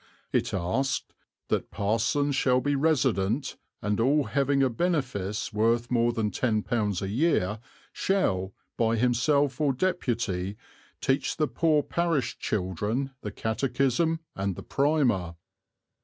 It asked "that parsons shall be resident, and all having a benefice worth more than £10 a year shall, by himself or deputy, teach the poor parish children the catechism and the primer."